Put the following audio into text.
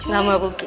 gak mau rugi